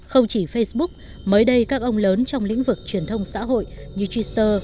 không chỉ facebook mới đây các ông lớn trong lĩnh vực truyền thông xã hội như twitter